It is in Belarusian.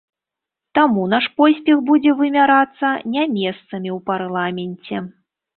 Таму наш поспех будзе вымярацца не месцамі ў парламенце.